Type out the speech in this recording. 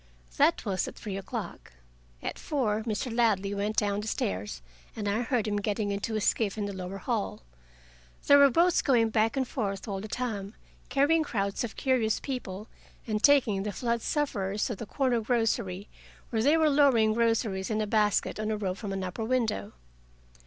That was at three o'clock. At four Mr. Ladley went down the stairs, and I heard him getting into a skiff in the lower hall. There were boats going back and forth all the time, carrying crowds of curious people, and taking the flood sufferers to the corner grocery, where they were lowering groceries in a basket on a rope from an upper window.